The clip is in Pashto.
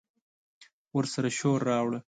ورسره شور، راوړه